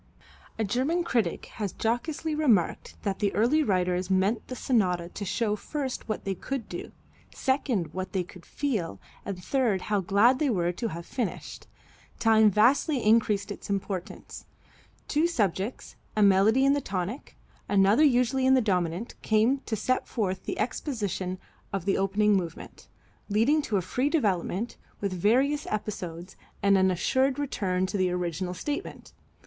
A German critic has jocosely remarked that the early writers meant the sonata to show first what they could do, second what they could feel, and third how glad they were to have finished. Time vastly increased its importance. Two subjects, a melody in the tonic, another usually in the dominant, came to set forth the exposition of the opening movement, leading to a free development, with various episodes, and an assured return to the original statement.